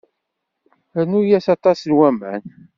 Rnu-yas aṭas n waman.